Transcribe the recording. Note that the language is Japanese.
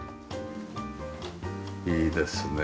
いいですね